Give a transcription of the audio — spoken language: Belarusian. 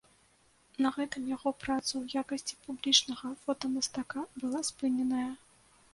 На гэтым яго праца ў якасці публічнага фотамастака была спыненая.